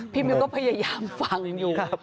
พี่หมิ้วก็พยายามฟังอยู่